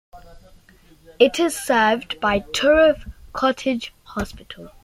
It is served by Turriff Cottage Hospital.